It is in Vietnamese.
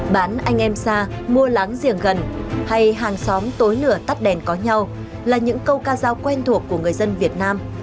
bán anh em xa mua láng giềng gần hay hàng xóm tối lửa tắt đèn có nhau là những câu ca giao quen thuộc của người dân việt nam